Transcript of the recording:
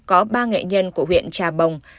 có ba nghệ nhân của huyện trà bồng